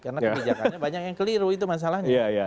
karena kebijakannya banyak yang keliru itu masalahnya